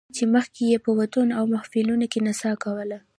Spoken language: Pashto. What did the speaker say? چې مخکې یې په ودونو او محفلونو کې نڅا کوله